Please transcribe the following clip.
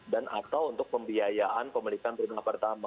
dan atau untuk pembiayaan pemilikan rumah pertama